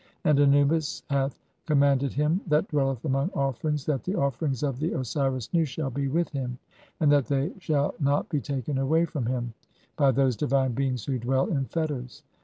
And Anubis hath "commanded him that dwelleth among offerings that the offerings "of the Osiris Nu shall be with him, and that they shall not "be taken away (i3) from him by those divine beings who dwell "in fetters.